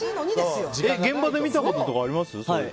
現場で見たこととかあります？